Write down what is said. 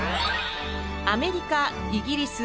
アメリカイギリス